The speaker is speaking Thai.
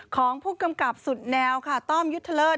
ของผู้กำกับสุดแนวค่ะต้อมยุทธเลิศ